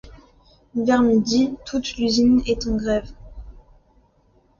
Vers midi toute l’usine est en grève.